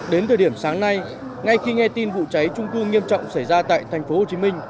đến thời điểm sáng nay ngay khi nghe tin vụ cháy trung cư nghiêm trọng xảy ra tại thành phố hồ chí minh